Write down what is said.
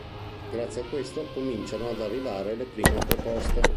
Grazie a questo cominciano ad arrivare le prime proposte.